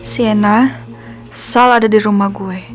siena sal ada di rumah gue